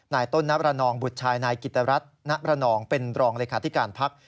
นายต้นน้ำระนองบุตรชายนายกิตรรัฐน้ำระนองเป็นรองเลขาที่การพักษ์